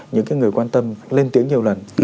những cái người quan tâm lên tiếng nhiều lần